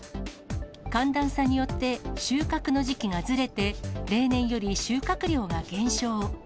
寒暖差によって収穫の時期がずれて、例年より収穫量が減少。